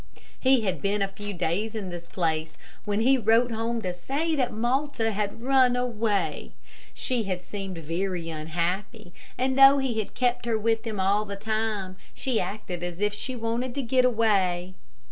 He had been a few days in this place, when he wrote home to say that Malta had run away. She had seemed very unhappy, and though he had kept her with him all the time, she had acted as if she wanted to get away.